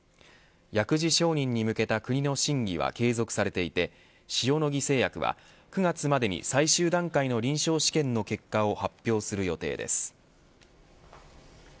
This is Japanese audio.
薬事承認に向けた国の審議は継続されていて塩野義製薬は９月までに最終段階の臨床試験の結果を発表する予定です。